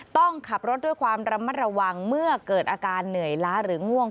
ต้องขับรถด้วยความระมัดระวังเมื่อเกิดอาการเหนื่อยล้าหรือง่วง